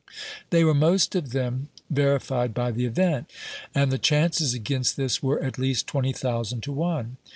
They were most of them verified by the event, and the chances against this were at least twenty thousand to one.